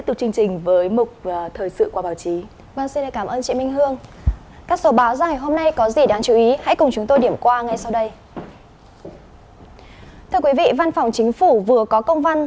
thưa quý vị văn phòng chính phủ vừa có công văn